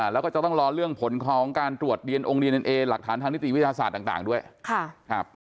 แล้วก็จะต้องรอเรื่องผลของการตรวจดีเอนองค์ดีเอ็นเอหลักฐานทางนิติวิทยาศาสตร์ต่างด้วย